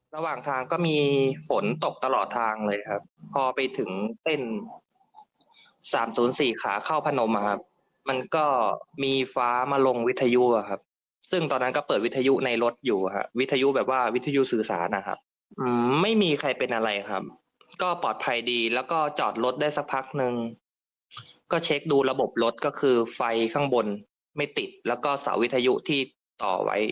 ระหว่างทางก็มีฝนตกตลอดทางเลยครับพอไปถึงเส้น๓๐๔ขาเข้าพนมนะครับมันก็มีฟ้ามาลงวิทยุอ่ะครับซึ่งตอนนั้นก็เปิดวิทยุในรถอยู่ครับวิทยุแบบว่าวิทยุสื่อสารนะครับไม่มีใครเป็นอะไรครับก็ปลอดภัยดีแล้วก็จอดรถได้สักพักนึงก็เช็คดูระบบรถก็คือไฟข้างบนไม่ติดแล้วก็เสาวิทยุที่ติดต่อไว้